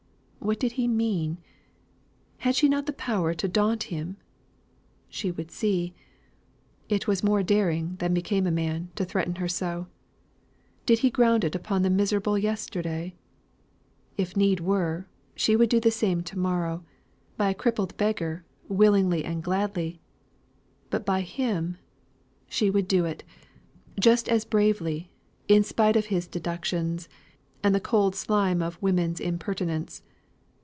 What did he mean? Had she not the power to daunt him? She would see. It was more daring than became a man to threaten her so. Did he ground it upon the miserable yesterday? If need were, she would do the same to morrow, by a crippled beggar, willingly and gladly, but by him, she would do it, just as bravely, in spite of his deductions, and the cold slime of woman's impertinence.